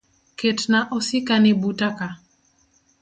Ketna osikani buta ka.